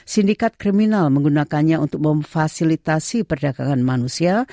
sindikat kriminal menggunakannya untuk memfasilitasi perdagangan manusia